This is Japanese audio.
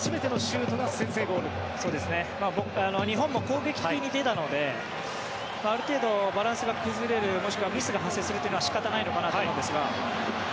日本も攻撃に出たのである程度、バランスが崩れるもしくはミスが発生するというのは仕方ないのかなと思うんですが。